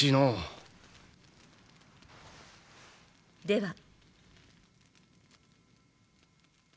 では。